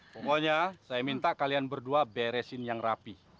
pokoknya saya minta kalian berdua beresin yang rapi